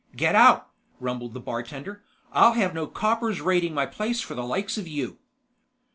"Get out!" rumbled the bartender. "I'll have no coppers raiding my place for the likes of you!"